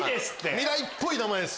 未来っぽい名前です。